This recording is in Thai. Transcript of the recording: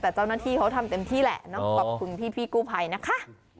แต่เจ้าหน้าที่เขาทำเต็มที่แหละเนอะขอบคุณพี่กู้ภัยนะคะ